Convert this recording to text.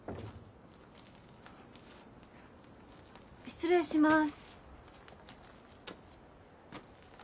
失礼します。